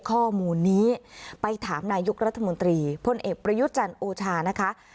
ข้อมูลนี้ไปถามนายกรัฐมนตรีพลเอกประยุทธ์จันทร์โอชานะคะ